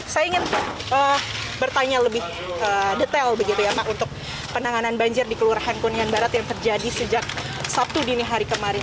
saya ingin bertanya lebih detail begitu ya pak untuk penanganan banjir di kelurahan kunian barat yang terjadi sejak sabtu dini hari kemarin